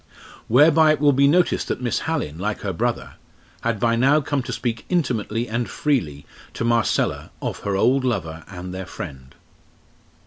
Whereby it will be noticed that Miss Hallin, like her brother, had by now come to speak intimately and freely to Marcella of her old lover and their friend.